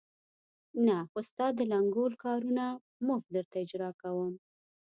نه، خو ستا د لنګول کارونه مفت درته اجرا کوم.